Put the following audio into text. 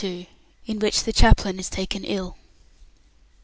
IN WHICH THE CHAPLAIN IS TAKEN ILL.